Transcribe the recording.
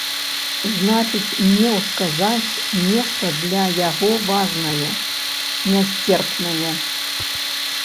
Значыць, меў сказаць нешта для яго важнае, нясцерпнае.